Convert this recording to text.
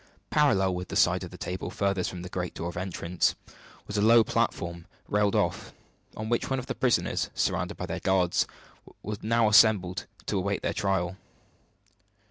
Parallel with the side of the table furthest from the great door of entrance was a low platform railed off, on which the prisoners, surrounded by their guard, were now assembled to await their trial.